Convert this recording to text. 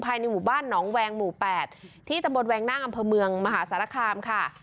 ในหมู่บ้านหนองแวงหมู่๘ที่ตำบลแวงนั่งอำเภอเมืองมหาสารคามค่ะ